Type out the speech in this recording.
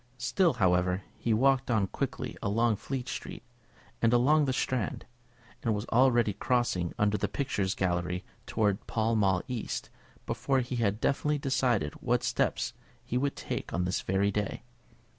Still, however, he walked on quickly along Fleet Street, and along the Strand, and was already crossing under the Picture Galleries towards Pall Mall East before he had definitely decided what steps he would take on this very day.